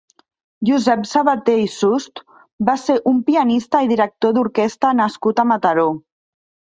Josep Sabater i Sust va ser un pianista i director d'orquestra nascut a Mataró.